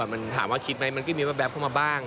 มันถามว่าคิดไหมมันก็มีแว๊บเข้ามาบ้าง